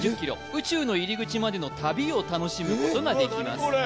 宇宙の入り口までの旅を楽しむことができます